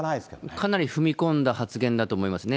かなり踏み込んだ発言だと思いますね。